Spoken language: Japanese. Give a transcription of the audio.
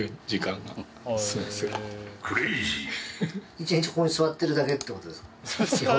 １日ここに座ってるだけってことですか？